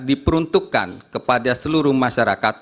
diperuntukkan kepada seluruh masyarakat